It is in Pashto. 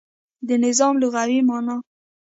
د نظام لغوی معنا